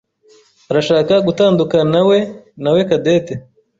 arashaka gutandukanawe nawe Cadette.